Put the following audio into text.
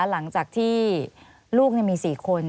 หลังจากที่ลูกมี๔คน